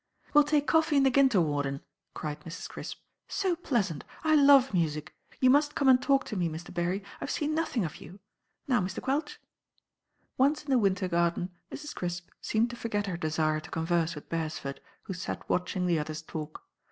"We'll take coffee in the ginter warden," cried Mrs. Crisp. "So pleasant. I love music. You must come and talk to me, Mr. Berry. I've seen nothing of you. Now, Mr. Quelch." Once in the winter garden, Mrs. Crisp seemed to forget her desire to converse with Beresford, who sat watching the others talk.